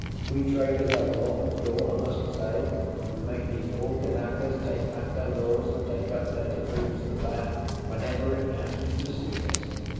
We traders have a lot of gall, I must say; we make these poor Kanakas take back their laws, and take up their taboos, and that, whenever it happens to suit us.